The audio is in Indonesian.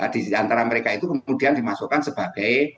di antara mereka itu kemudian dimasukkan sebagai